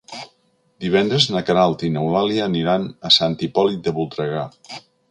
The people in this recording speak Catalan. Divendres na Queralt i n'Eulàlia aniran a Sant Hipòlit de Voltregà.